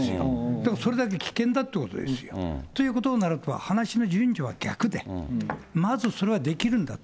だからそれだけ危険だということですよ。ということになると、話の順序が逆で、まずそれができるんだと。